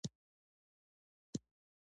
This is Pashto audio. دا ښه خپرونه ده؟